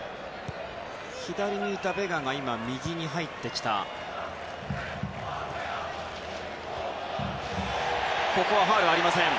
左にいたベガが右に入ってきている。